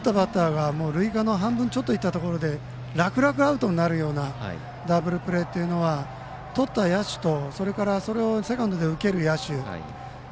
単純にダブルプレーといっても打ったバッターが塁間の半分行ったところで楽々アウトになるようなダブルプレーというのはとった野手とそれからセカンドで受ける野手